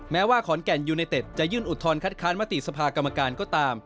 แม้ว่าขอนแก่นยูเนเต็ดจะยื่นอุทธรณคัดค้านมติสภากรรมการก็ตาม